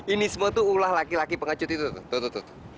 ini semua tuh ulah laki laki pengecut itu tuh tuh tuh tuh